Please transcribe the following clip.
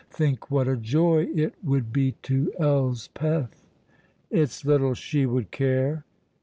Think what a joy it would be to Elspeth." "It's little she would care."